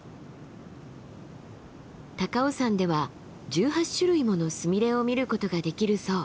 高尾山では１８種類ものスミレを見ることができるそう。